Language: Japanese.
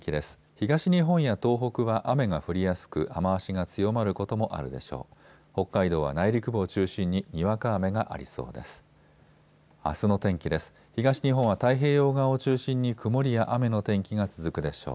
東日本や東北は雨が降りやすく雨足が強まることもあるでしょう。